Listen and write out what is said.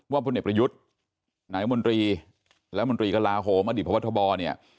ว่าพลเน็ตประยุทธนายมนตรีและมนตรีกระลาฮมอดีตพระพัทธบอร์เนี่ย